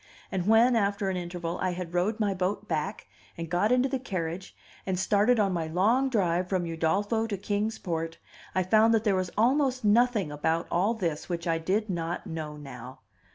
And when, after an interval, I had rowed my boat back, and got into the carriage, and started on my long drive from Udolpho to Kings Port, I found that there was almost nothing about all this which I did not know now.